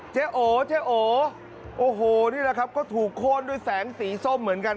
โอเจ๊โอโอ้โหนี่แหละครับก็ถูกโค้นด้วยแสงสีส้มเหมือนกัน